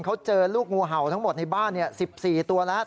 เขาเจอลูกงูเห่าทั้งหมดในบ้าน๑๔ตัวแล้ว